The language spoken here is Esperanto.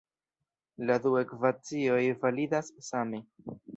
La du ekvacioj validas same.